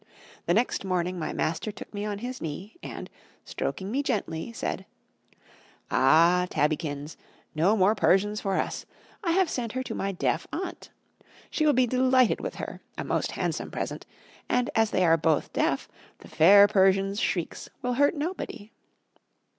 The next morning my master took me on his knee, and, stroking me gently, said "Ah, Tabbykins! no more Persians for us. I have sent her to my deaf aunt. She will be delighted with her a most handsome present and as they are both deaf, the fair Persian's shrieks will hurt nobody.